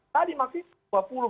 tadi masih dua puluh